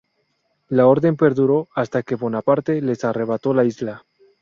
La orden perduró hasta que Bonaparte les arrebató la isla.